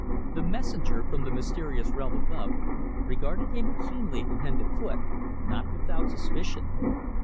The messenger from the mysterious realm above regarded him keenly from head to foot, not without suspicion.